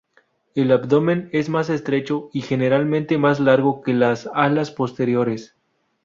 El abdomen es más estrecho y generalmente más largo que las alas posteriores.